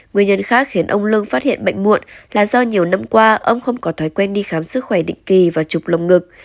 nguyên nhân khác khiến ông lương phát hiện bệnh muộn là do nhiều năm qua ông không có thói quen đi khám sức khỏe định kỳ và trục lồng ngực